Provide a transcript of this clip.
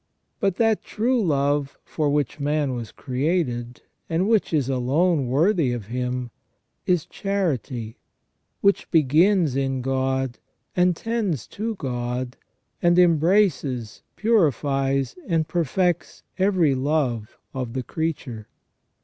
But that true love for which man was created, and which is alone worthy of him, is charity, which begins in God, and tends to God, and embraces, purifies, and perfects every love of the creature.